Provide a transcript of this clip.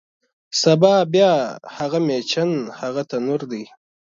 سبا بیا هغه میچن، هغه تنور دی